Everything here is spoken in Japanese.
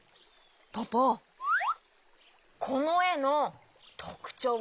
ポポこのえのとくちょうをおしえて。